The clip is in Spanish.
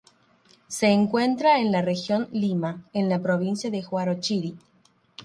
Se encuentra en la región Lima, en la provincia de Huarochirí.